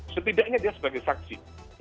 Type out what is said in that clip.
setidaknya dia sebagai saksi